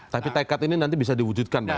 tapi tekat ini nanti bisa diwujudkan